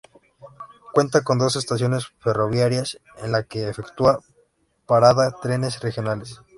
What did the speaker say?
Cuenta con dos estaciones ferroviarias en la que efectúan parada trenes regionales.